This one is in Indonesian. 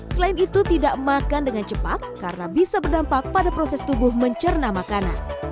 selain itu tidak makan dengan cepat karena bisa berdampak pada proses tubuh mencerna makanan